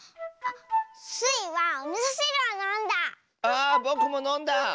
あぼくものんだ！